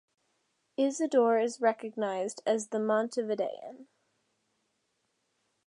Isidore is recognized as the "Montevidean".